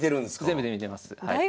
全部で見てますはい。